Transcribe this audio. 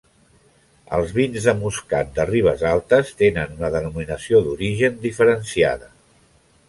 Els vins de moscat de Ribesaltes tenen una denominació d'origen diferenciada.